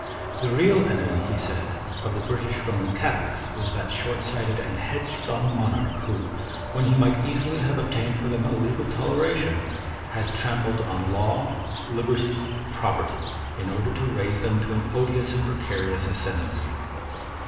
The real enemy, he said, of the British Roman Catholics was that shortsighted and headstrong monarch who, when he might easily have obtained for them a legal toleration, had trampled on law, liberty, property, in order to raise them to an odious and precarious ascendency.